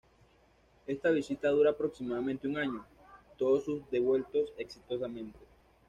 Esta visita dura aproximadamente un año; todos son devueltos exitosamente.